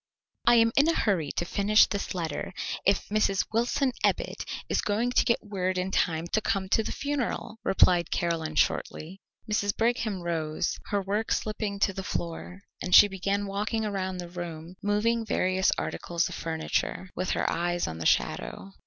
"I am in a hurry to finish this letter, if Mrs. Wilson Ebbit is going to get word in time to come to the funeral," replied Caroline shortly. Mrs. Brigham rose, her work slipping to the floor, and she began walking around the room, moving various articles of furniture, with her eyes on the shadow.